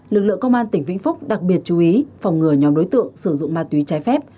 lực lượng công an tỉnh vĩnh phúc đặc biệt chú ý phòng ngừa nhóm đối tượng sử dụng ma túy trái phép